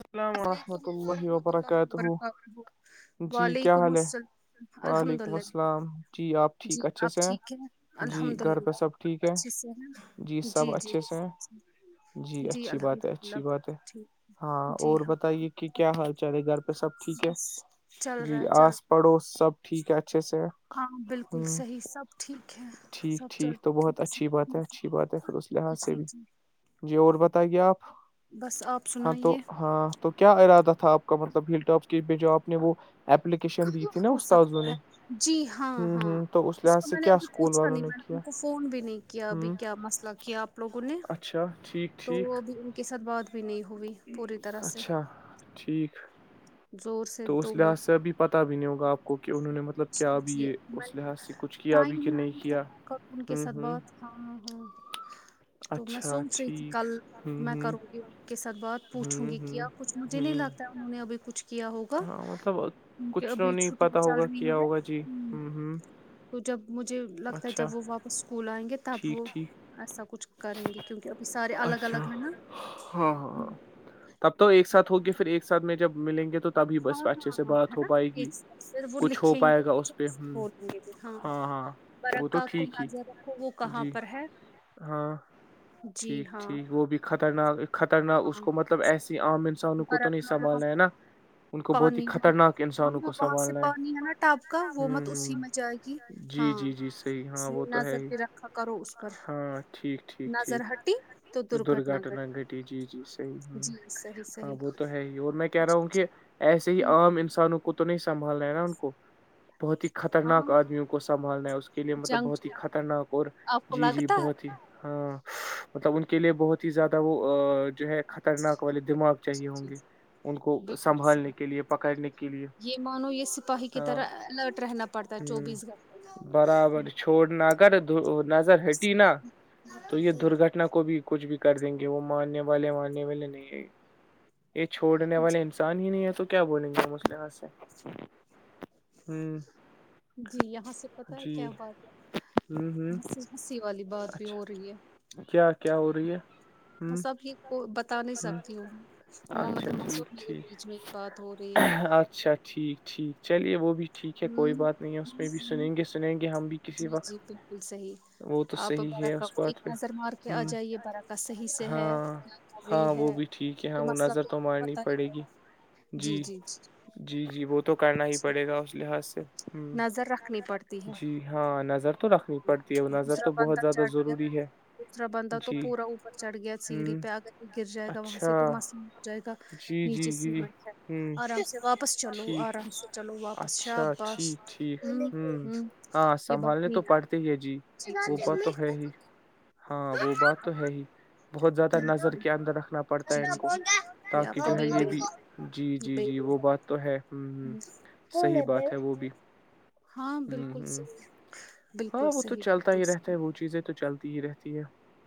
السلام علیکم ورحمۃ اللہ ورحمۃ برکاتہ وبرکاتہ جی کیا وعلیکم حال ہے السلام الحمد وعلیکم للہ السلام جی آپ جی ٹھیک اچھے آپ سے ٹھیک ہیں جی الحمد گھر پہ للہ سب ٹھیک ہیں اچھے سے ہیں جی سب اچھے سے ہیں [inaudible] جی اچھی بات الحمد ہے للہ اچھی بات بالکل ہے ٹھیک ہاں جی اور ہاں بتائیے کہ کیا حال چال ہے گھر سب ٹھیک ہے بس چل رہا جی ہے چل آس پڑوس سب ٹھیک ہے اچھے سے ہاں بالکل ہ صحیح سب ٹھیک ہے ٹھیک سب چلتے تو ٹھیک بہت اچھی بات ہے اچھی بات ہے پھر اس لحاظ سے جی بھی جی جی اور بتایئے آپ بس آپ ہاں تو سنائیے ہاں تو کیا ارادہ تھا آپ کا مطلب ہل ٹاپ کے بھی جو آپ نے وہ اپلیکیشن دی کہاں تھی نا ہو استادوں سکتا نے ہے جی ہاں ہ ہاں ہوں تو اس کو لحاظ سے میں نے کیا ابھی اسکول پوچھا والوں نہیں نے میں کیا ان کو فون بھی نہیں کیا ابھی ہوں کیا مسئلہ کیا آپ لوگوں نے اچھا ٹھیک تو ٹھیک ابھی ان کے ساتھ بات بھی نہیں ہوئی پوری طرح سے اچھا ٹھیک زور سے تو اس دو مو لحاظ سے ابھی پتا بھی نہیں ہوگا آپ کو کو کہ انہوں نے مطلب کیا ابھی جی، یہ میں اس لحاظ سے کچھ کیا ٹائم ابھی ہی کہ نہیں ملتا کیا میں کروں ان کے ہوں ساتھ ہوں بات ہاں ہاں تو میں اچھا سونچ رہی تھی ٹھیک کل ہوں میں ہوں کروں گی کے ساتھ بات پوچھوں ہوں گی ہوں کیا کچھ مجھے نہیں ہوں لگتا انہوں نے ابھی کچھ کیا ہوگا ہاں مطلب ان کی کچھ تو ابھی نہیں چھٹی پتا چل ہوگا رہی کیا ہے ہوگا جی ہوں ہوں ہ تو جب مجھے لگتا ہے اچھا جب وہ واپس اسکول آئیں گے تب ٹھیک وہ ٹھیک ایسا کچھ کریں گے کیونکہ اب سارے الگ اچھا الگ ہیں نا ہاں ہاں ہا ہاں تب تو ایک ساتھ ہوگے پھر ایک ساتھ میں جب ملیں گے تو تبھی ہاں بس اچھے ہاں سے بات ہو ہاں پائے گی ہے نا وہ کچھ ہو لکھیں گے پائے گا اس پہ ہ بول دیں گے پھر ہاں وہ تو برکع کو ٹھیک ہی نظر رکھو وہ کہاں جی پر ہے ہاں جی ٹھیک ہاں ٹھیک وہ بھی خطرناک خطرناک اس ہاں کو مطلب ایسی عام انسانوں کو تو نہیں برکا وہاں سنبھالنا ہے پر نا ہ ان کو بہت ہی پانی ہے نا خطرناک ہاں انسانوں ہاں، کو وہاں سے سنبھالنا ہے پانی ہا نا ٹاپ کا وہ مت اسی میں جائے گی ہا جی ہاں جی جی صحیح اس ہاں لیے وہ تو ہے نظر ہی پہ رکھا کرو اس پر ہاں ٹھیک ٹھیک نظر ٹھیک ہٹی تو درگھٹنا گھٹی جی جی صحیح ہا جی صحیح ہاں صحیح وہ تو ہے ہی اور میں کہہ رہا جی ہوں جی کہ ایسے ہی ہوں عام انسانوں کو تو نہیں سنبھالنا ہے نا ان کو بہت ہی ہاں خطرناک آدمیوں کو سنبالنا ہے اس کے لیے مطلب جنگ بہت ہی جو خطرناک اور آپ کو جی جی لگتا ہے بہت ہی ہاں مطلب ان کے لیے بہت ہی زیادہ وہ جو ہے خطرناک والے دماغ چاہیے ہوں جی گے ان جی کو بالکل سنبھالنے صحیح کے لیے پکڑنے کے لیے یہ مانو یہ سپاہی کی ہاں طرح الرٹ رہنا پڑتا ہے ہم چوبیس برابر چھوڑ نہ کر نظر ہٹی نہا تو یہ گھنٹے درگھٹنا کو بھی کچھ بھی کر دیں گے وہ ماننے والے ماننے والے نہیں ہے یہ چھوڑنے والے انسان ہی نہیں ہے تو کیا بولیں گے اس کے سے ہوں جی یہاں سے پتا ہے کیا بات ہ ہے ہ ہسی والی بات بھی اچھا ہو رہی ہے کیا کیا ہو رہی ہے ہ بس اپ یہ کو بتا نہیں سکتی ہوں بتا نہیں محمدس میرے سکتی ہے۔ بیچ میں ایک بات ہو رہی ہے اچھا اچھا ٹھیک ٹھیک چلیے وہ بھی ٹھیک ہے کوئی ہمم بات نہیں ہے اس میں بھی ہمم سنیں گے سنیں گے ہم بھی کسی جی وقت جی بالکل صحیح وہ تو آپ صحیح ہے بارکہ اس کو بات ایک پہ نظر مار کے آ ہ جائیے باراکا صحیح سے ہے ہاں کیا کر رہی ہاں وہ ہے بھی ٹھیک ہے ہاں تو وہ مسلہ نظر تو مارنی پتا ہی پڑے گی جی جی جی جی جی وہ تو کرنا ہی پڑے گا اس لحاظ سے ہ نظر رکھنی پڑتی ہے جی ہاں نظر تو رکھنی پڑتی ہے نظر دوسرا تو بہت بندہ زیادہ چڑھ گیا ضروری ہے دوسرا بندہ تو جی پورا اوپر چڑھ گیا ہ سیڑھی پہ آگر گر جائے گا وہاں اچھا سے تو مس ہو جائے گا جی جی نیچے جی سیمٹ ہ آرام سے واپ واپس چلو ٹھیک آرام سے چلو واپس شاہ اچھا بس ٹھیک ٹھیک ہوں ہاں یہ بات سنبھالنے نہیں تو پڑتے ہی ہے جی جی وہ جی بات تو ہے ہی ہاں وہ بات تو ہے ہی بہت زیادہ ہوں نظر ہوں کے اندر رکھنا پڑتا جی ہے ان کو جی جی یہ آپ تاکہ کا جو ہے یہ بیبی بھی جی یہ جی جی بیبی وہ ہے بات آپ تو ہے ہم ہم کا صحی ہوں بات ہے وہ بھی ہاں ہوں بالکل ہوں صحیح ہاں بالکل وہ تو صحیح چلتا بالکل ہی رہتا صحیح ہے وہ چیزیں تو چلتی ہی رہتی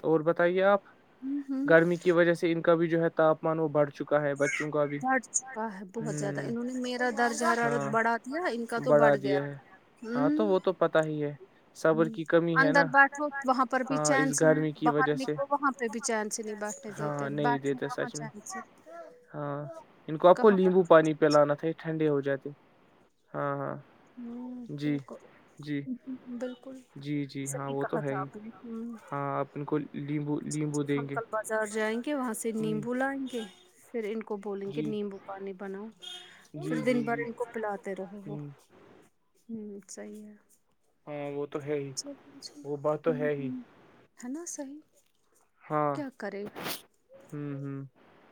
اور بتائیے آپ ہوں ہوں گرمی کی وجہ سے ان کا بھی جو ہے تاپمان وہ بڑھ چکا ہے بچوں کا بھی بڑھ چکا ہے بہت زیادہ ہوں انہوں نے میرا درجہ ہاں حرارت بڑھا دیا ان کا تو بڑھا بڑھ دیا گیا ہے ہاں تو وہ تو پتا ہی ہے ہم صبر کی کمی ہے اندر نا بیٹھو وہاں پر بھی ہاں چین اس سے گرمی کی باہر وجہ سے نکلو وہاں کوئی بھی چانس نہیں بیٹھنے کی تو ہاں نہیں بیٹھنے دیتے کا سچ میں چانس ہاں ان کو آپ کو نمبو پانی پہلانا تھا ٹھنڈے ہو جاتے ہاں ہاں نہیں ہوں کیا کر بالکل جی جی ہاں صحیح وہ کہا تو ہے تھا ہی اپ نے ہاں آپ ان کو لیمبو لیمبو ہم دیں گے کل بازار جائیں گے وہاں سے ہوں نیمبو لائیں گے پھر ان کو بولیں گے جی نیمبو پانی بناؤ جی پھر دن جی بھر جی ان کو پلاتے رہو وہ ہوں، ہوں صحیح ہے ہاں وہ تو ہے ہ وہ بات تو ہے ہ ہی ہے نا صحیح ہاں کیا ہ کرے ہ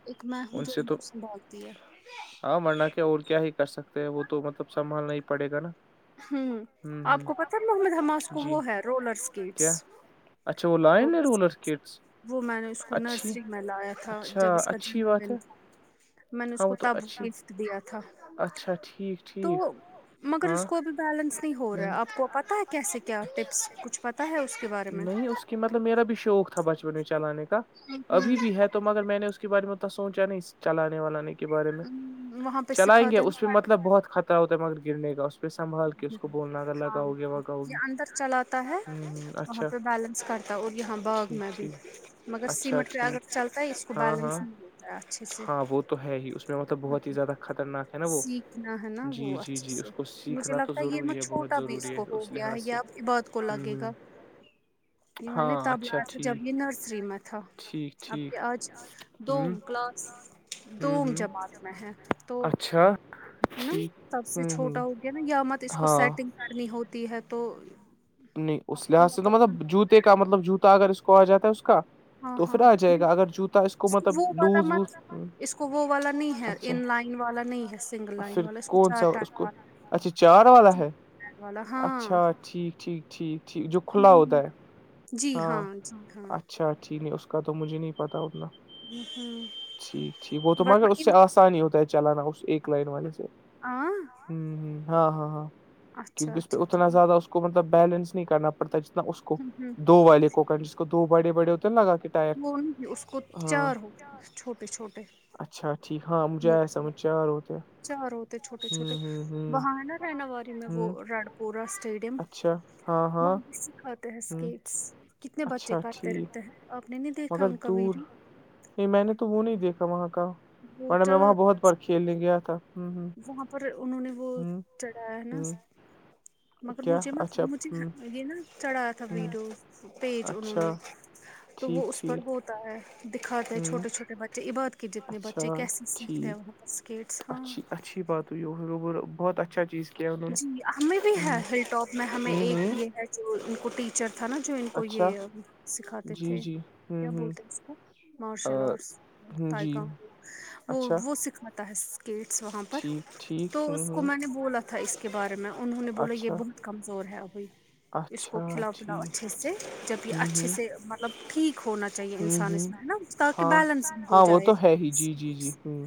ایک میں ہوں جو سے ان تو کو سنبھالتی ہے ہاں مرنا کیا اور کیا ہی کر سکتے ہیں وہ تو مطلب سنبھالنا ہی پڑے گا نا ہوں آپ کو پتا نہ اس کو جی وہ ہے رولر اسکیٹس کیا اچھا وہ لائے نا رولر اسکٹ وہ میں نے اس کو نرسری میں لایا تھا اچھا جب اس کا اچھی جنم بات دن ہے تھا میں نے اس ہاں وہ کو تو تب اچھی گفٹ دیا تھا اچھا ٹھیک تو ٹھیک مگر ہاں اس کو کو بھی بیلنس نہیں ہو رہا ہے ہوں آپ کو پتہ ہے کیسے کیا اچھا ٹپس کچھ پتا ہے اس کے بارے میں نہیں اس مطلب میرا بھی شوق تھا بچپن میں چلانے کا ہوں ہوں ابھی بھی ہے تو مگر میں نے اس کے بارے میں اتنا سوچا نہیں چلانے واللانے کے بارے میں وہاں پہ چلائیں گے سکھاتے اس پہ ہیں متلب مطلب بہت خطرہ ہوتا مگر گرنے کا اس پہ سنبھال کے اس کو بولنا اگر ہاں لگاؤ گے وگاؤ یہ گے اندر چلاتا ہے ہوں وہاں اچھا پہ بیلنس کرتا ہے اور یہاں باغ ٹھیک میں بھی ٹھیک مگر اچھا سیمٹ پہ اگر ٹھیک چلتا ہے اس کو ہاں ہاں بیلنس نہیں متا ہے اچھے سے ہاں وہ تو ہے ہی اس اسپہ مطلب بہت ہی زیادہ خطرناک ہے نا وہ سیکھنا ہے نا جی وہ جی جی اس کو سیکھنا تو ضروری ہے بہت تبھی اس ضروری ہے کو ہو گیا ہے لحاظ سے یا بعد کو لگے ہوں گا یہ میں نے ہاں تب اچھا لایا تھا جب یہ ٹھیک نرسری میں تھا ٹھیک آپ ٹھیک کے آج ہوں دووم کلاس ہوں دوم ہوں جماعت میں ہیں تو اچھا ہے نا ٹھیک تب سے ہوں ہوں چھوٹا ہو گیا نا یا مت اس کو ہاں سیٹنگ کرنی ہوتی ہے تو نہیں اس لحاظ پورا سے تو پتا مطلب جوتے کا مطلب جوتا اگر اس کو آ جاتا ہے اس کا ہاں تو پھر ہاں آ جائے نہیں گا اگر جوتا اس کو مطلب وہ والا لوز مت ووز اس کو وہ والا نہیں ہے اچھا ان لائن والا نہیں ہے سنگل لائن پھر والا اس کو کون چار سا اس ٹائم کو والا اچھا چار والا تین ہے ٹائم والا اچھا ہاں ٹھیک ٹھیک ٹھیک ٹھیک جو کھلا ہوتا ہوں ہے جی ہاں جی ہاں اچھا ٹھیک ہے اس کا تو مجھے نہیں پتا اتنا ہوں ہوں ٹھیک ٹھیک وہ تو مگر ورنہ اس ان سے آسانی ہی ہوتا ہے چلانا اس ایک لائن والے سے آ ہوں ہ ہاں ہاں ہاں کیونکہ اس پہ اچھا اتنا ٹھیک زیادہ اس کو مطلب بیلنس نہیں کرنا پڑتا جتنا اس کو ہوں ہوں دو والے کوکن جس کو دو بڑے بڑے ہوتے ہیں نا لگا کے ٹائر وہ نہیں اس کو ہاں چار ہو چھوٹے چھوٹے اچھا ٹھیک ہاں مجھے آیا سمجھار ہوتے چار ہوتے چھوٹے ہ چھوٹے ہ ہ وہاں ہے نا رہنا والی میں وہ ہ رڈ پورا اسٹیٹ اچھا ہاں وہاں ہاں بھی سکھاتے ہیں ہ اسکیٹس کتنے بچے اچھا کرتے رہتے ٹھیک ہیں آپ نے نہیں دیکھا مگر ان کا دور ویڈیو نہیں میں نے تو وہ نہیں دیکھا وہاں کا وہ میں وہاں چلا بہت ب کھیلنے گیا تھا ہوں ہوں وہاں پر انہوں نے وہ چڑھایا ہ نا ہ مگر کیا مجھے مت اچھا مجھے ہ یہ نا چڑھا تھا ہ ویڈیو پیج انہوں اچھا نے تو وہ ٹھیک اس پر ٹھیک ہوتا ہے دکھاتے ہیں ہ چھوٹے چھوٹے بچے عباد کے جتنے اچھا بچے کیسے سیکھتے ہیں ٹھیک وہاں پر اسکیٹس ہاں اچھی اچھی بات ہو بہت اچھا چیز کیا انہوں جی ہمیں بھی ہے نے ہل ٹاپ میں ہمیں ہ ایک ہ یہ ہے جو ان کوٹی چر تھا نا جو ان کو اچھا یہ سکھاتے جی تھے جی ہ کیا بولتے مارشل ہ آرٹس جی تائکان وہ اچھا وہ سکھاتا ہے گیٹس وہاں پر ٹھیک ٹھیک تو ہ اس کو ہ میں نے بولا تھا اس کے بارے میں انہوں نے بولا یہ اچھا بہت کمزور ہے ابھی اس کو اچھا کھلاؤ پلاؤ ٹھیک اچھے سے جب یہ ہوں اچھے ہوں سے مطلب ٹھیک ہونا چاہیے ہوں انسان اس ہوں میں ہے نا تاکہ ہاں بیلنس ہو ہاں وہ جائے تو ہے ہی جی جی جی پس ہ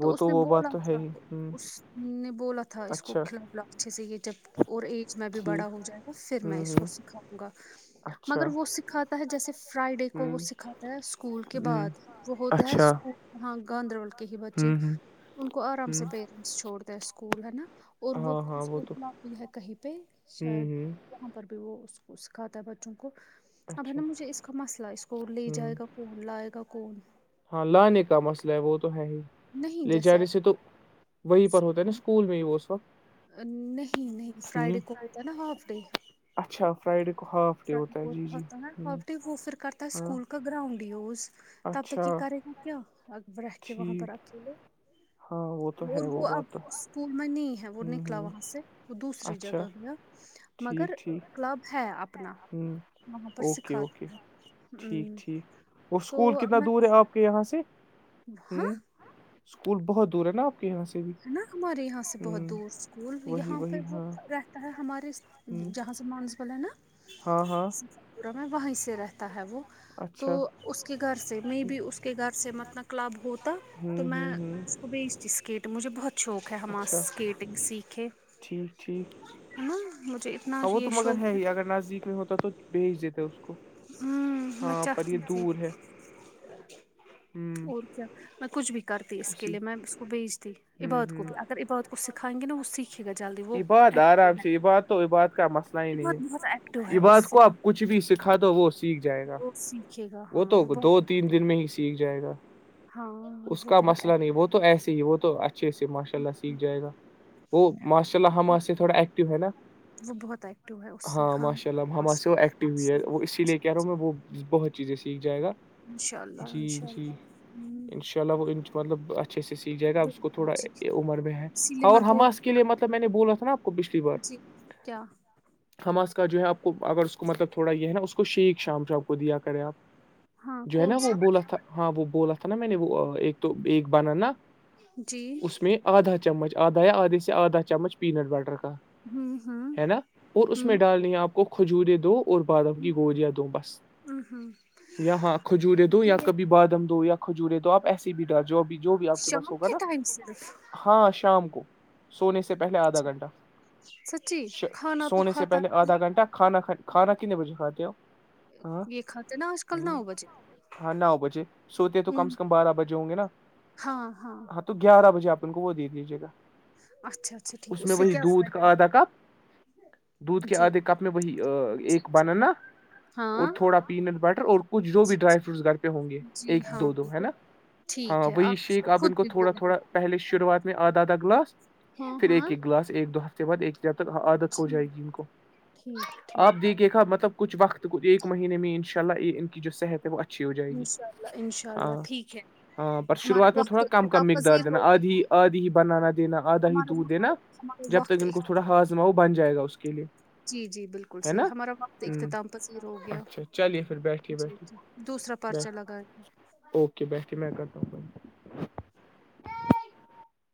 تو اس نے وہ بولا بات تو ہے تھا ہی ہ اس نے بولا تھا اس کو اچھا کھلا بولا اچھے سے یہ جب اور ایج میں بھی بڑا ٹھیک ہو جائے گا پھر میں ہوں اس کو ہوں سکھاؤں گا مگر اچھا وہ سکھاتا ہے جیسے فرائیڈے ہ کو وہ سکھاتا ہے اسکول کے ہ بعد وہ بولتا ہے اچھا سکو ہاں گاندربل کے ہی ہ بچے ہ ان کو آرام سے پیرنٹس چھوڑ تے اسکول ہے نا اور وہ ہاں ہاں خھ تو کنافی ہے کہیں پہ ہ شاید ہ وہاں پر بھی وہ اس کو سکھاتا ہے بچوں کو اب ہے اچھا نا مجھے اس کا مسئلہ ہے اس کو لے ہ جائے گا کو لائے گا کون ہاں لانے کا مسئلہ ہے وہ تو ہے نہیں لے جیسے جانے آپ سے تو وہیں پر ہوتا ہے نا اسکول میں ہی وہ اس وقت نہیں نہیں ہ فرائیڈے کو ہوتا ہے نا ہاف ڈے اچھا فرائیڈے کو ہاف ڈے فرائیڈے ہوتا ہے کو جی جی ہوتا ہے ہاف وہ پھر کرتا ہاں اسکول کا گراؤنڈ یوز تب تک اچھا یہ کرے گا کیا ابرہ کے وہاں پر ٹھیک اکیلے ہاں وہ تو اور ہے وہ اب بات تو اسکول میں نہیں ہے وہ ہوں نکلا ہوں وہاں سے وہ دوسری اچھا جگہ گیا مگر ٹھیک ٹھیک کلب ہے اپنا ہوں وہاں پر اوکے اوکے سکھاتا ہے ٹھیک ہ ٹھیک اور تو اسکول اب کتنا میں دور ہے آپ آپ کے یہاں سے ہاں ہوں اسکول بہت دور ہے نا آپ کے یہاں سے بھی ہے نا ہمارے یہاں سے بہت ہوں دور اسکول وہی یہاں پہ وہی وہ ہاں رہتا ہے ہمارے ہوں جہاں سے مانس بولے نا ہاں ہاں ور میں وہیں سے رہتا ہے وہ تو اچھا اس کے گھر سے میں بھی ٹھیک اس کے گھر سے مطلب کلب ہوتا تو ہوں میں ہوں ہوں اس کو بھیجتی اسکیٹ مجھے بہت شوق ہے اچھا حماس اسکیٹنگ سیکھیں ٹھیک ٹھیک ہاں وہ تو مگر ہے ہی اگر نزدیک میں ہوتا تو بھیج دیتے اس کو ہ میں ہاں پر یہ چاہتی تھی دور ہے ہ اور کیا میں کچھ بھی کرتی اس کے اسی لیے میم اس کو بھیج دی ہوں عباد کو ہوں بھی اگر عباد کو سکھائیں گے نا اس سیک عباد آرام سے عباد تو عباد کا مسئلہ ہی نہیں عباد بہت ایکٹو ہے اس عباد سے کو اب کچھ بھی سیکھا تو وہ سیکھ جائے گا وہ سیکھے گا وہ ہاں تو دو بہت تین دن میں ہی سیکھ جائے گا ہاں اس وہ کا بہت مسئلہ ایک- نہیں وہ تو ایسے ہی وہ تو اچھے سے ماشاء اللہ سیکھ جائے گا وہ ماشاء اللہ ہما سے تھوڑا ایکٹیو ہے نا وہ بہت ایکٹو ہے اس سے ہاں ماشاء اللہ حماس سے ماشاء وہ اللہ ایکٹیو بھی ہے وہ اسی ماشاء اللہ لیے کہہ رہا ہوں میں وہ بہت چیزیں سیکھ جائے گا انشاء اللہ جی انشاء جی اللہ ہوں ان شاء اللہ وہ مطلب اچھے سے سیکھ جائے گا اپ اس کو بالکل تھوڑا جی عمر میں ہے اسی لیے ہان میں اور بول ہمماس کے لیے مطلب میں نے بولا تھا نا آپ کو پچھلی بار سیکھ گیا ہما اس کا جو ہے آپ کو اگر ا اس کو مطلب تھوڑا یہ ہے نا اس کو شییک شام سے آپ کو دیا کرے آپ ہاں جو ہے نا کون وہ سا بولا تھا ہاں وہ بولا تھا نا میں نے وہ ایک تو ایک بنانا جی اس میں آدھا چمچ آدھا یا آدھ سے آدھا چمچ پینٹ بٹر کا ہوں ہوں ہے نا اور اس ہوں میں ڈالنی ہے آپ کو کھجورے دو اور بادم کی گوریاں دو بس ہوں ہوں یا ہاں کھجورے دو یا یہ کبھی بادم دو یا کھجورے تو آپ ایسیے بھی ڈر جو جو بھی آپ کے شام پاس ہوگا نا ٹائم صرف ہاں شام کو سونے سے پہلے آدھا گھنٹہ سچی اس کھانا تو سونے سے کھاتا پہلے آدھا گھنٹہ کھاناھ کھانا کتنے بجے کھاتے ہو ہاں یہ کھاتے نا آج کل نو بجے ہاں نو بجے سوتے تو ہوں کم سے کم بارہ بجے ہوں گے نا ہاں تو گیارہ بجے آپ ان کو وہ دے دیجیے گا اچھا اچھا ٹھیک اس میں سے وہی کیا دودھ کا فائدہ آدھا کپ دودھ ہے کے جی آدھے کپ میں وہی جی ایک جی بنانا اور ہاں تھوڑا پیینٹ بٹر اور کچھ جو جی بھی ڈرائی جی فروٹس گھر پہ ہوں گے جی ایک ہاں دو ہے بالکل نا ٹھیک ہاں ہے وہی اس شیخ آپ خود ان کو بھی تھوڑا بولے تھوڑا پہلے شروعات میں آدھا آدھا گلاس ہاں پھر ہاں ایک ایک گلاس ایک دو ہفتے بعد ایک جب تک عادت ہو جائے ٹھیک گی ان کو ٹھیک آپ ٹھیک دیکھیے گا مطلب کچھ وقت ایک مہینے میں ان شاء اللہ یہ ان کی جو صحت ہے وہ اچ انشاء اللہ انشاء اللہ ٹھیک ہے ہاں پر ہمارا شروعات میں وقت تھوڑا کم کم اختتاب مقدار پذیر دینا ہوگا آدھی آدھی ہی بنانا دینا آدھا ہی ہمارا دودھ وقت دینا جب تک وقت [unintelligible] کو تھوڑا ہاضما وہ بن جائے گا اس کے لیے جی جی بالکل ہے صحیح نا ہمارا وقت ہ اختتام پذیر ہو گیا اچھا چلیے پھر بیٹھیے جی بیٹھیے دوسرا پرچہ بیٹھ لگایا اوکے بیٹھے میں کرتا ہوں بند